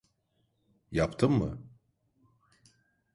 Yaptım mı?